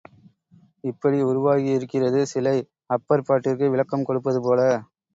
இப்படி உருவாகியிருக்கிறது சிலை, அப்பர் பாட்டிற்கு விளக்கம் கொடுப்பதுபோல.